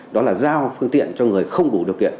theo phương tiện cho người không đủ điều kiện